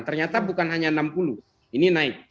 ternyata bukan hanya enam puluh ini naik